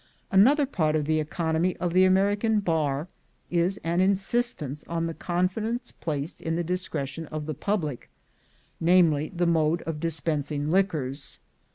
Another part of the economy of the American bar is an instance of the confidence placed in the discre tion of the public — namely, the mode of dispensing liquors.